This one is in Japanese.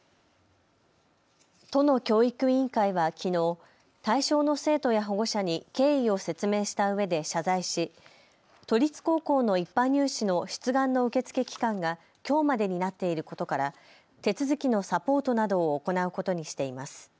都の教育委員会はきのう対象の生徒や保護者に経緯を説明したうえで謝罪し都立高校の一般入試の出願の受け付け期間がきょうまでになっていることから手続きのサポートなどを行うことにしています。